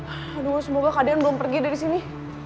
aduh semoga kalian belum pergi dari sini